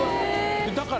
だから。